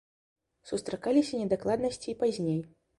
Сустракаліся недакладнасці і пазней.